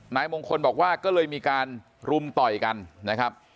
นายมงคลบอกว่าก็เลยมีการรุมต่อยกันนะครับ